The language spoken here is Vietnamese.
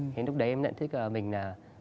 thì lúc đấy em nhận thức là mình là